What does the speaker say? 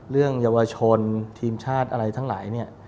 เรื่องเยาวชนทีมชาติอะไรทั้งหลายเนี่ย